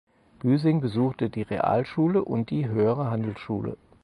Büsing besuchte die Realschule und die Höhere Handelsschule.